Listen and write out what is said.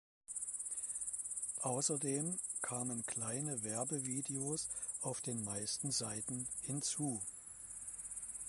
Außerdem kamen kleine Werbe-Videos auf den meisten Seiten hinzu.